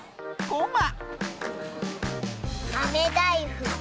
ごま。